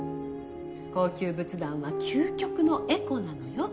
高級仏壇は究極のエコなのよ。